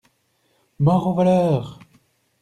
Mort aux voleurs!